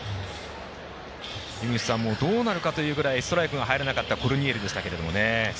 井口さんもどうなるかというぐらいストライクが入らなかったコルニエルでしたけれどもね。